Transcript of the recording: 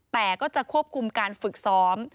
แต่ก็จะควบคุมการฝึกซ้อม